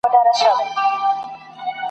ته ملامت نه یې ګیله من له چا زه هم نه یم !.